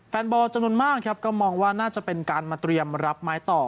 แฟนบอลจำนวนมากครับก็มองว่าน่าจะเป็นการมาเตรียมรับไม้ต่อ